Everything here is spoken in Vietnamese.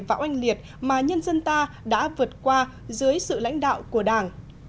và oanh liệt mà nhân dân ta đã vượt qua dưới sông